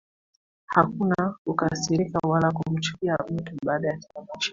Hakuna kukasirika wala kumchukia mtu baada ya tamasha